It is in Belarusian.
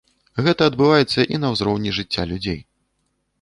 Гэта адбіваецца і на ўзроўні жыцця людзей.